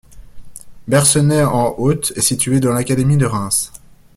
Bercenay-en-Othe est située dans l'académie de Reims.